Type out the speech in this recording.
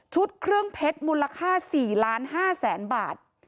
เครื่องเพชรมูลค่า๔๕๐๐๐๐บาท